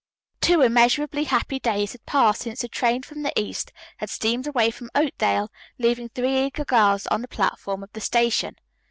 Two immeasurably happy days had passed since the train from the east had steamed away from Oakdale, leaving three eager girls on the platform of the station.